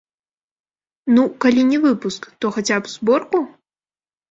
Ну, калі не выпуск, то хаця б зборку?